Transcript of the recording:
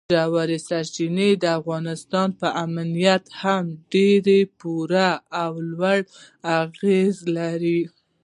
ژورې سرچینې د افغانستان په امنیت هم ډېر پوره او لوی اغېز لري.